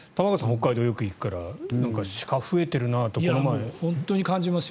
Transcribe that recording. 北海道によく行くから鹿増えてるなって本当に感じますよ。